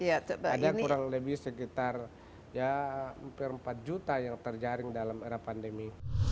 ada kurang lebih sekitar ya hampir empat juta yang terjaring dalam era pandemi